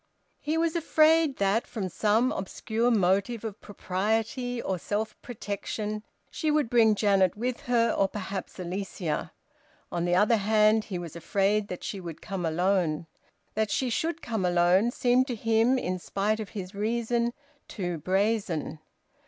He was afraid that, from some obscure motive of propriety or self protection, she would bring Janet with her, or perhaps Alicia. On the other hand, he was afraid that she would come alone. That she should come alone seemed to him, in spite of his reason, too brazen.